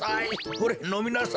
ほれのみなさい！